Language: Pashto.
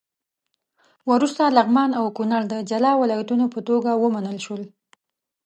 وروسته لغمان او کونړ د جلا ولایتونو په توګه ومنل شول.